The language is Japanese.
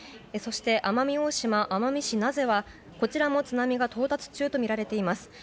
そして奄美大島、奄美市名瀬はこちらも津波が到達中とみられています。